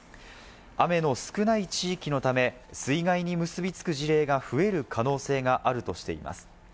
雨の少ない地域のため、水害に結びつく事例が増える可能性があるとしています。